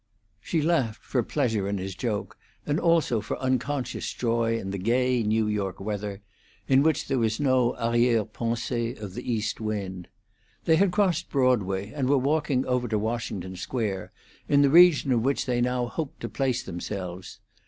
She laughed for pleasure in his joke, and also for unconscious joy in the gay New York weather, in which there was no 'arriere pensee' of the east wind. They had crossed Broadway, and were walking over to Washington Square, in the region of which they now hoped to place themselves.